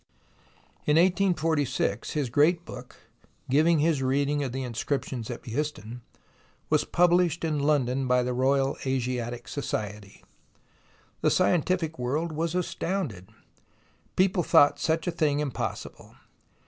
In 1846 his great book, giving his reading of the inscriptions at Behistun, was published in London by the Royal Asiatic Society. The scientific world was astounded. People thought such a thing impossible.